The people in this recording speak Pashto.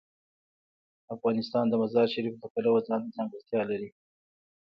افغانستان د مزارشریف د پلوه ځانته ځانګړتیا لري.